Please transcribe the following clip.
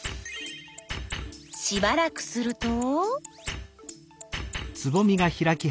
しばらくすると。